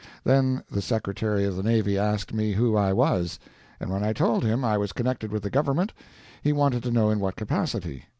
Then the Secretary of the Navy asked me who I was; and when I told him I was connected with the government, he wanted to know in what capacity.